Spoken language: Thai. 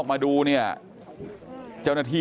กลุ่มตัวเชียงใหม่